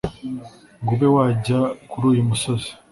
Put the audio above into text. ngo ube wajya kuri uyu musozi